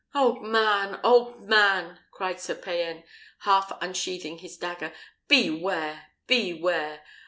"Old man! old man!" cried Sir Payan, half unsheathing his dagger, "beware, beware!